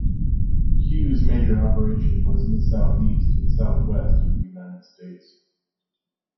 Hughes major operation was in the Southeast and Southwest of the United States.